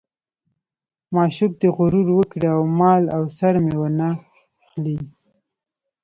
معشوق دې غرور وکړي او مال او سر مې وانه خلي.